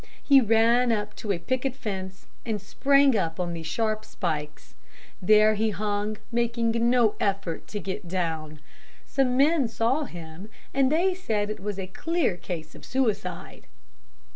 He ran up to a picket fence, and sprang up on the sharp spikes. There he hung, making no effort to get down. Some men saw him, and they said it was a clear case of suicide.